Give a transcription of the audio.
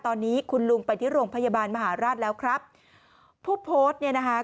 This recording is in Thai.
ตอนนี้คุณลุงไปที่โรงพยาบาลมหาราชแล้วครับผู้โพสต์เนี่ยนะคะ